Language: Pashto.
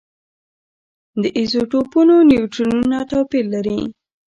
د ایزوټوپونو نیوټرونونه توپیر لري.